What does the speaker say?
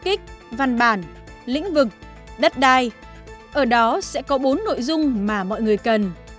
ích văn bản lĩnh vực đất đai ở đó sẽ có bốn nội dung mà mọi người cần